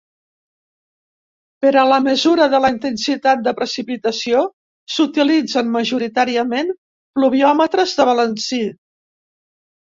Per a la mesura de la intensitat de precipitació s’utilitzen majoritàriament pluviòmetres de balancí.